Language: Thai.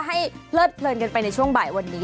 ให้เลิศเพลินไปในช่วงบ่ายวันนี้